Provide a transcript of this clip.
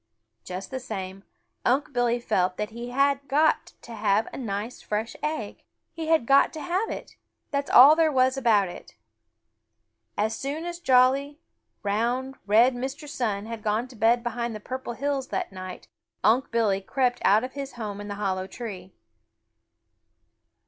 Just the same, Unc' Billy felt that he had got to have a nice fresh egg. He had got to have it. That is all there was about it. As soon as jolly, round, red Mr. Sun had gone to bed behind the Purple Hills that night, Unc' Billy crept out of his home in the hollow tree.